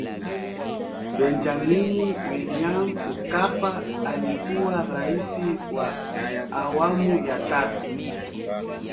Benjamini Wiliam Mkapa alikuwa Raisi wa awamu ya tatu